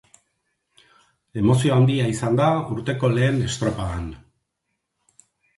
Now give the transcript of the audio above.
Emozio handia izan da urteko lehen estropadan.